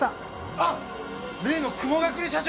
あっ例の雲隠れ社長。